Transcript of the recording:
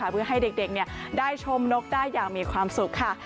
เพื่อให้เด็กได้ชมนกได้อย่างมีความสุขค่ะ